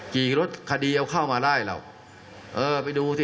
ขี่รถคดีเอาเข้ามาไล่เราเออไปดูสิ